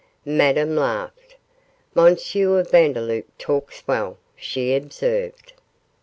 Madame laughed. 'M. Vandeloup talks well,' she observed.